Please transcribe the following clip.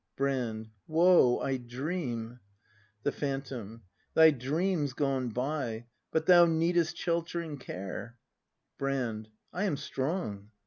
Brand. Woe, I dream! The Phantom. Thy dream's gone by, But thou needest sheltering care Brand. I am strong.